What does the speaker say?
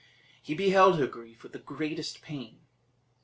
He beheld her grief with the greatest pain.